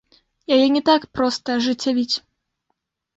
Яе не так проста ажыццявіць.